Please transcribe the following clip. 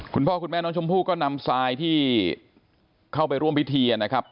คุณพ่อคุณแม่น้องชมพู่ก็นำทรายที่เข้าไปร่วมพิธีนะครับ